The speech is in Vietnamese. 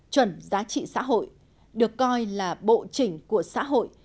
chuẩn giá trị xã hội được coi là bộ chỉnh của xã hội